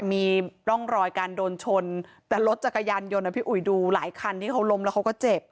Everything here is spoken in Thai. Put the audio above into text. มีร่องรอยการโดนชนแต่รถจักรยานยนต์นะพี่อุ๋ยดูหลายคันที่เขาล้มแล้วเขาก็เจ็บ